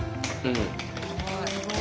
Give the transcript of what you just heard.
すごい。